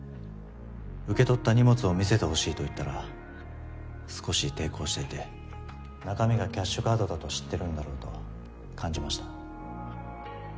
「受け取った荷物を見せてほしい」と言ったら少し抵抗していて中身がキャッシュカードだと知ってるんだろうと感じました。